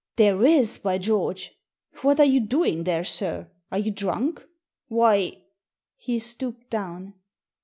" There is, by George ! What are you doing there, sir? Are you drunk? Why " He stooped down.